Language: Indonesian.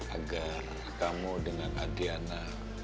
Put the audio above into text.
agar kamu dengan adiana